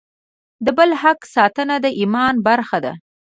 د بل حق ساتنه د ایمان برخه ده.